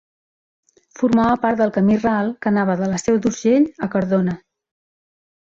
Formava part del camí ral que anava de la Seu d'Urgell a Cardona.